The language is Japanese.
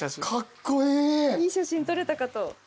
いい写真撮れたかと。